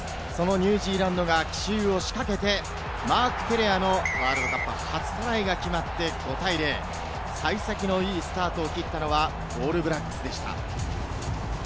ニュージーランドが奇襲を仕掛けて、マーク・テレアのワールドカップ初トライが決まって５対０、幸先のいいスタートを切ったのはオールブラックスでした。